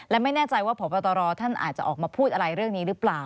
และไม่แน่ใจว่าพบตรท่านอาจจะออกมาพูดอะไรเรื่องนี้หรือเปล่า